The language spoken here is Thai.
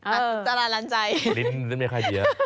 อัศจรรรณ์ใจ